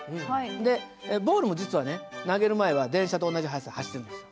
でボールも実はね投げる前は電車と同じ速さで走ってるんですよ。